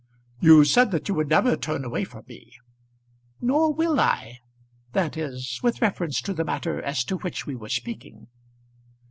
"You said that you would never turn away from me." "Nor will I; that is with reference to the matter as to which we were speaking."